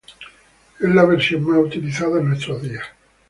Es la versión más utilizada en nuestros días.